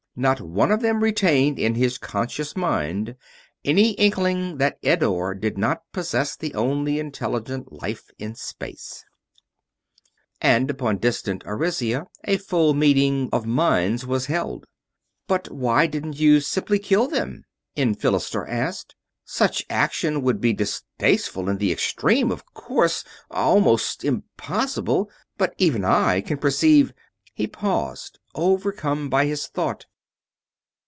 Not one of them retained in his conscious mind any inkling that Eddore did not possess the only intelligent life in space. And upon distant Arisia a full meeting of minds was held. "But why didn't you simply kill them?" Enphilistor asked. "Such action would be distasteful in the extreme, of course almost impossible but even I can perceive...." He paused, overcome by his thought.